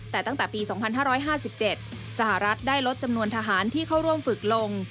แต่ตั้งแต่ปี๒๕๕๗สหรัฐได้ลดจำนวนทหารที่เข้าร่วมฝึกลง